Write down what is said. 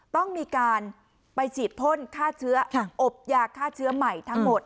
ต้องมีการไปฉีดพ่นฆ่าเชื้ออบยาฆ่าเชื้อใหม่ทั้งหมด